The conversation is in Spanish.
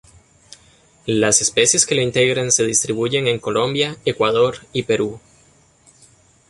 Las especies que lo integran se distribuyen en Colombia, Ecuador y Perú.